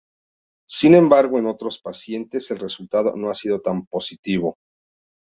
Sin embargo, en otros pacientes el resultado no ha sido tan positivo.